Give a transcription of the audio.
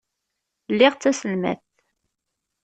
Lliɣ d taselmadt.